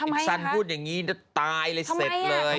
ซันพูดอย่างนี้จะตายเลยเสร็จเลย